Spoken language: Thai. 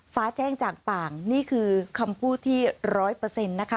ฟ้าแจ้งจากป่างนี่คือคำพูดที่ร้อยเปอร์เซ็นต์นะคะ